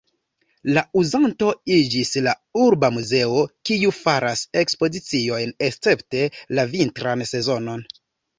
La uzanto iĝis la urba muzeo, kiu faras ekspoziciojn escepte la vintran sezonon.